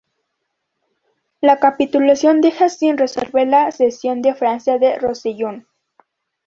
La capitulación deja sin resolver la cesión a Francia del Rosellón.